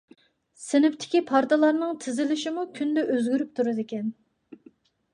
سىنىپتىكى پارتىلارنىڭ تىزىلىشىمۇ كۈندە ئۆزگىرىپ تۇرىدىكەن.